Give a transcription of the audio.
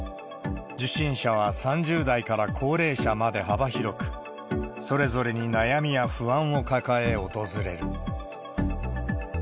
受診者は３０代から高齢者まで幅広く、それぞれに悩みや不安を抱え訪れる。